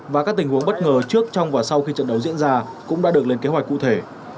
và các tình huống bất ngờ trước trong và sau khi trận đấu diễn ra cũng đã được lên kế hoạch cụ thể